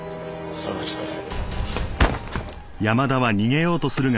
捜したぞ。